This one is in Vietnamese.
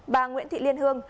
bà nguyễn thị liên hương